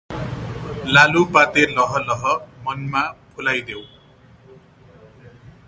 लालुपाते लहलह, मनमा फुलाइदेऊ ।